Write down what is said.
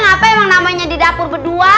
apa emang namanya di dapur berdua